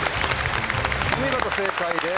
お見事正解です。